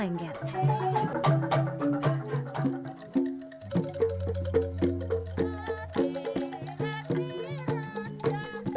lengger untuk mencoba membuat rakyat di wilayah karsidena membutuhkan para penyelidikan